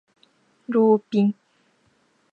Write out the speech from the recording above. ローピン